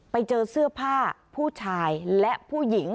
ไปเจอเสื้อผ้าผู้ชายและผู้หญิง